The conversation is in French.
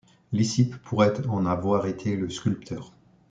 Lysippe pourrait en avoir été le sculpteur.